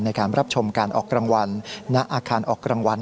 ในการรับชมการออกรางวัลณอาคารออกรางวัล